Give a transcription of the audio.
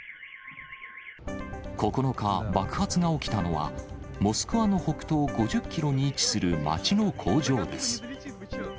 ９日、爆発が起きたのは、モスクワの北東５０キロに位置する街の工場です。